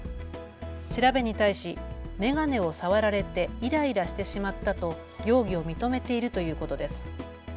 調べに対し眼鏡を触られていらいらしてしまったと容疑を認めているということです。